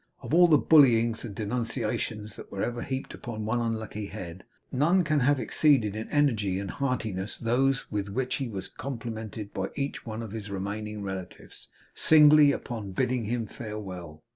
Of all the bullyings and denunciations that were ever heaped on one unlucky head, none can ever have exceeded in energy and heartiness those with which he was complimented by each of his remaining relatives, singly, upon bidding him farewell.